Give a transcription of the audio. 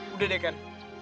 udah deh ken